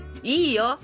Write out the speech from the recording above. いいよ！